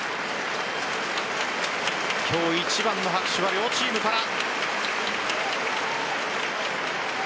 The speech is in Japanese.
今日一番の拍手は両チームから。